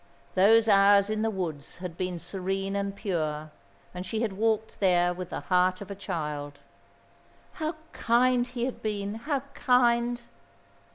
Those hours in the woods had been serene and pure, and she had walked there with the heart of a child. How kind he had been, how kind!